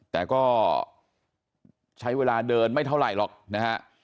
แต่ก็ใช้เวลาเดินไม่เท่าไหร่หรอกนะฮะ